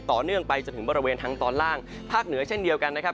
ต่อเนื่องไปจนถึงบริเวณทางตอนล่างภาคเหนือเช่นเดียวกันนะครับ